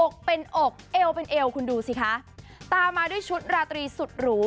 อกเป็นอกเอวเป็นเอวคุณดูสิคะตามมาด้วยชุดราตรีสุดหรู